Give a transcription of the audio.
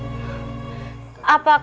bagaimana dengan perasaanmu